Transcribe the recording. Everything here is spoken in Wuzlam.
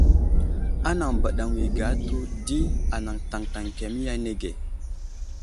Anaŋ məbaɗeŋiyo age ahtu di anaŋ taŋtaŋ kemiya anege.